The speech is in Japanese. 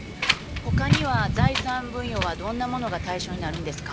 他には財産分与はどんなものが対象になるんですか？